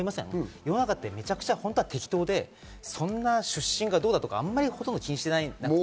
世の中ってめちゃくちゃ本当は適当で、そんな出身がどうだとか、あまりほとんど気にしてない。